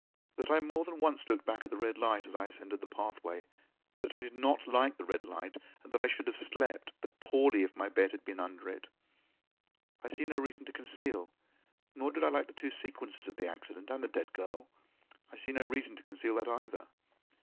That I more than once looked back at the red light as I ascended the pathway, that I did not like the red light, and that I should have slept but poorly if my bed had been under it, I see no reason to conceal. Nor did I like the two sequences of the accident and the dead girl. I see no reason to conceal that either.